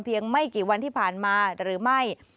ไม่กี่วันที่ผ่านมาหรือไม่